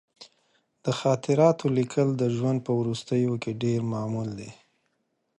د خاطراتو لیکل د ژوند په وروستیو کې ډېر معمول دي.